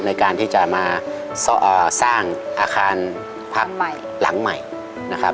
ในการที่จะมาสร้างอาคารพักหลังใหม่นะครับ